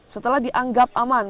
setelah dianggap aman